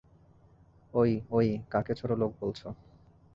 অই, অই, কাকে ছোটলোক বলছো?